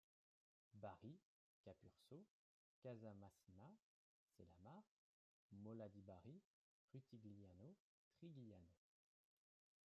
Bari, Capurso, Casamassima, Cellamare, Mola di Bari, Rutigliano, Triggiano.